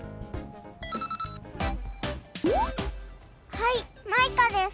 はいマイカです！